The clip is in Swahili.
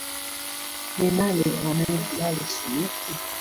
Ni nani anayekubali suluhu?